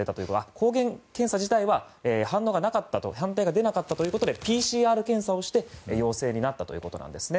抗原検査自体は判定が出なかったということでＰＣＲ検査をして陽性になったということなんです。